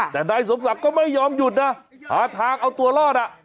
แต่นายสมศักดิ์ก็ไม่ยอมหยุดนะหาทางเอาตัวรอด